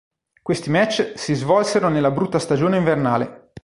Questi match si svolsero nella brutta stagione invernale.